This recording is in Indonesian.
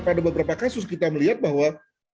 pada beberapa kasus kita melihat bahwa